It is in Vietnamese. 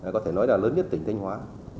có thể nói là lớn nhất tỉnh thanh hóa